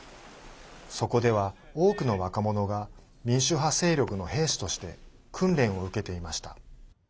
そこでは多くの若者が民主派勢力の兵士として訓練を受けていました。